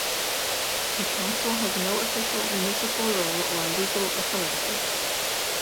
The council has no official municipal role or legal authority.